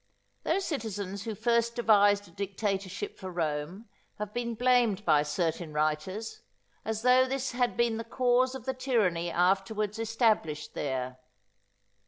_ Those citizens who first devised a dictatorship for Rome have been blamed by certain writers, as though this had been the cause of the tyranny afterwards established there.